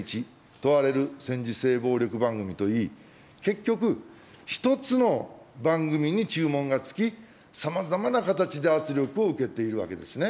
問われる戦時性暴力番組といい、結局、１つの番組に注文がつき、さまざまな形で圧力を受けているわけですね。